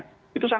itu sangat berbeda